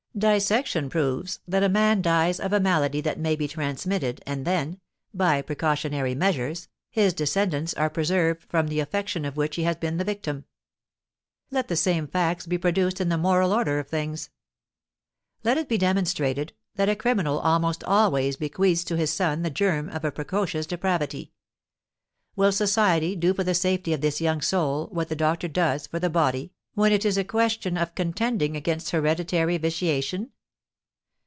Dissection proves that a man dies of a malady that may be transmitted, and then, by precautionary measures, his descendants are preserved from the affection of which he has been the victim. Let the same facts be produced in the moral order of things; let it be demonstrated that a criminal almost always bequeaths to his son the germ of a precocious depravity. Will society do for the safety of this young soul what the doctor does for the body, when it is a question of contending against hereditary vitiation?